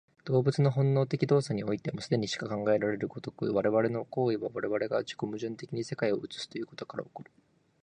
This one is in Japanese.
動物の本能的動作においても、既にしか考えられる如く、我々の行為は我々が自己矛盾的に世界を映すということから起こる。